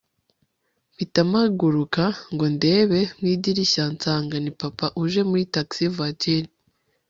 mpita mpaguruka ngo ndebe mwidirishya nsanga ni papa uje muri taxi voiture